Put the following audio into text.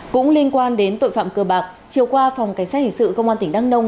cũng liên quan đến tội phạm cơ bạc chiều qua phòng cảnh sát hình sự công an tỉnh đăng nông